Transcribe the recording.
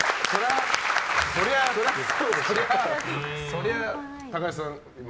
そりゃ、高橋さん。